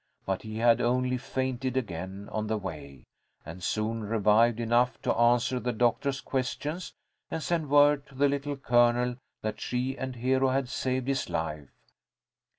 But he had only fainted again on the way, and soon revived enough to answer the doctor's questions, and send word to the Little Colonel that she and Hero had saved his life.